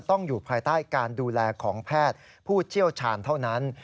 อยู่ภายใต้การดูแลของแพทย์ผู้เชี่ยวชาญเท่านั้น